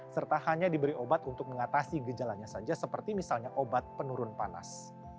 serta hanya diberi obat untuk mengatasi gejalanya saja seperti misalnya obat penurun panas